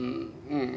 うん。